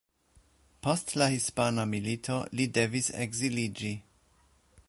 Post la hispana milito, li devis ekziliĝi.